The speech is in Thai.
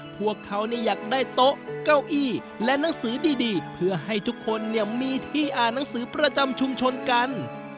พวกเขาอยากได้โต๊ะเก้าอี้และหนังสือดีเพื่อให้ทุกคนมีที่อ่านหนังสือประจำชุมชนกัน